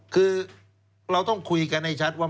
คือเราต้องคุยกันให้ชัดว่า